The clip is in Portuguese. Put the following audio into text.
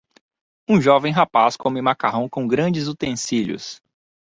Um jovem rapaz come macarrão com grandes utensílios.